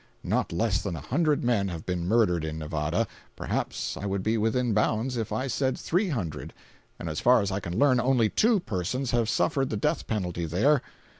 Not less than a hundred men have been murdered in Nevada—perhaps I would be within bounds if I said three hundred—and as far as I can learn, only two persons have suffered the death penalty there.